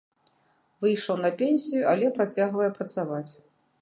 Выйшаў на пенсію, але працягвае працаваць.